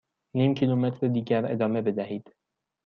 نیم کیلومتر دیگر ادامه بدهید.